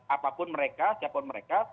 apapun mereka siapapun mereka